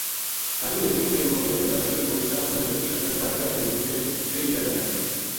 حاجی نزیر نے مولوی عبداللہ نا کہیو مولوی صاحب منا لکھی ختم پڑھ کے دیوؤں ٹیم پہی زیادہ لگ جائے